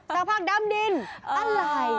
สาวภาคดำดินอะไรเหรอ